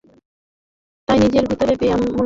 তাই নিজের ভিতরের বেশ্যায় মনোযগ দাও।